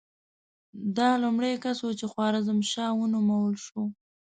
ده لومړی کس و چې خوارزم شاه ونومول شو.